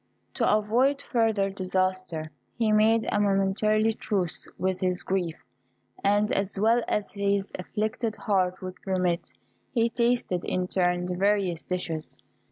To avoid further disaster, he made a momentary truce with his grief, and, as well as his afflicted heart would permit, he tasted, in turn, the various dishes.